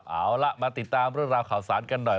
เอาล่ะมาติดตามเรื่องราวข่าวสารกันหน่อย